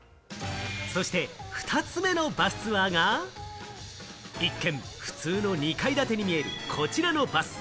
そして２つ目のバスツアーが、一見、普通の２階建てに見えるこちらのバス。